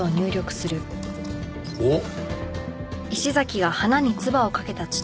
おっ。